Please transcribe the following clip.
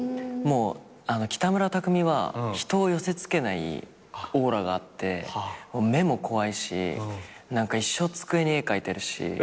北村匠海は人を寄せ付けないオーラがあって目も怖いし何か一生机に絵描いてるし。